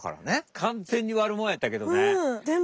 完全にわるもんやったけどね。